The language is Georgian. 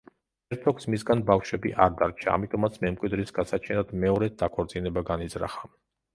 ჰერცოგს მისგან ბავშვები არ დარჩა, ამიტომაც მემკვიდრის გასაჩენად მეორედ დაქორწინება განიზრახა.